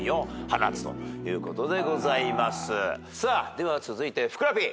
では続いてふくらＰ。